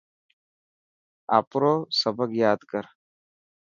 آڦرو سبق ياد ڪر.